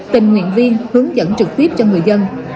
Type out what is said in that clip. tình nguyện viên hướng dẫn trực tiếp cho người dân